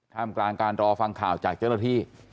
กลางการรอฟังข่าวจากเจ้าหน้าที่